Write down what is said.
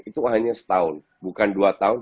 itu hanya setahun bukan dua tahun